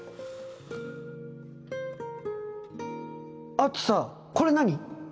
あとさこれ何？